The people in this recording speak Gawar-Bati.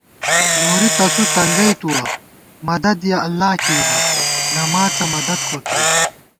نوری تسُو تنگَئیتُوَہ مدد یَہ اللہ کېئیبہ، نماڅہ مدد کوڅِؤ